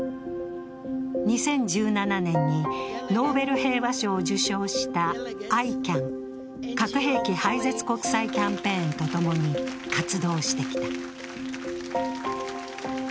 ２０１７年にノーベル平和賞を受賞したＩＣＡＮ＝核兵器廃絶国際キャンペーンと共に活動してきた。